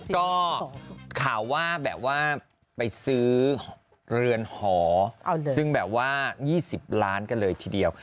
ก็ข่าวว่าแบบว่าไปซื้อเรือนหอซึ่งแบบว่า๒๐ล้านกันเลยทีเดียว